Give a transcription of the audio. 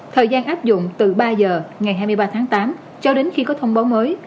thời gian áp dụng từ ba giờ ngày hai mươi ba tháng tám cho đến khi có thông báo mới